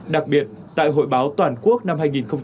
đặc biệt tại hội báo toàn quốc năm hai nghìn hai mươi